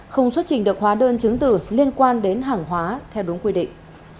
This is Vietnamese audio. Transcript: không xuất trình được hóa đơn chứng tử liên quan đến hàng hóa theo đúng quy định